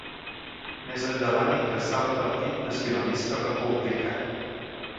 Més endavant ingressà al Partit Nacionalista Republicà.